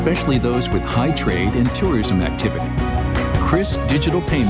memenuhi dua negara di berkaitan